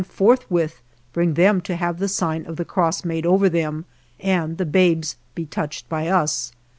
157 THE JOURNEY OF forthwith bring them to have the sign of the cross made over them and the babes be touched by us.